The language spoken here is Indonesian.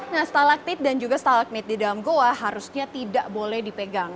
nah stalaktit dan juga stalagmit di dalam goa harusnya tidak boleh dipegang